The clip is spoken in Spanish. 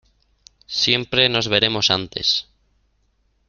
siempre nos veremos antes.